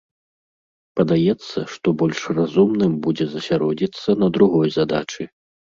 Падаецца, што больш разумным будзе засяродзіцца на другой задачы.